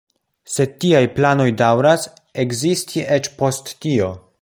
Sed tiaj planoj daŭras ekzisti eĉ post tio.